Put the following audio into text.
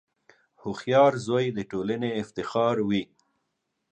• هوښیار زوی د ټولنې افتخار وي.